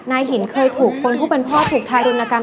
นายหินเคยถูกคนผู้เป็นพ่อถูกทารุณกรรม